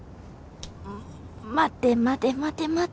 待て待て待て待て。